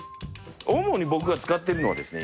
主に僕が使ってるのはですね